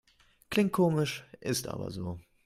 Klingt komisch, ist aber so.